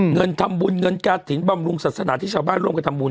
เงินทำบุญเงินกาถิ่นบำรุงศาสนาที่ชาวบ้านร่วมกันทำบุญ